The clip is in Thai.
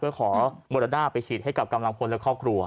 เพื่อขอโมราด้าไปฉีดให้กับกำลังพลและครอบครัว